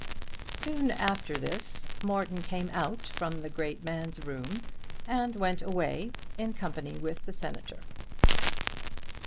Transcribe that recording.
Soon after this Morton came out from the great man's room and went away in company with the Senator.